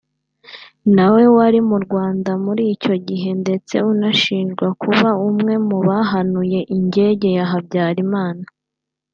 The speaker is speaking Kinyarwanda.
na we wari mu Rwanda muri icyo gihe ndetse unashinjwa kuba umwe mu bahanuye ingege ya Habyarimana